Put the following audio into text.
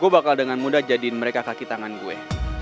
gue bakal dengan mudah jadiin mereka kaki tangan gue